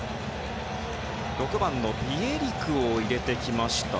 ６番、ビエリクを入れてきました。